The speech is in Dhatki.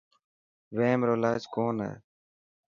وحم رو علاج ڪونه هي.